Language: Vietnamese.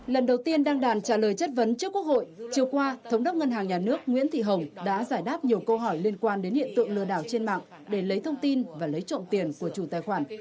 lần đầu tiên đăng đàn trả lời chất vấn trước quốc hội chiều qua thống đốc ngân hàng nhà nước nguyễn thị hồng đã giải đáp nhiều câu hỏi liên quan đến hiện tượng lừa đảo trên mạng để lấy thông tin và lấy trộm tiền của chủ tài khoản